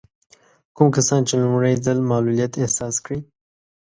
کوم کسان چې لومړی ځل معلوليت احساس کړي.